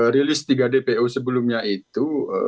rilis tiga dpo sebelumnya itu